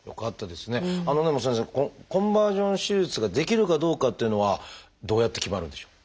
でも先生このコンバージョン手術ができるかどうかっていうのはどうやって決まるんでしょう？